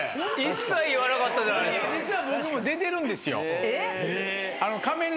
実は僕も出てるんですよ。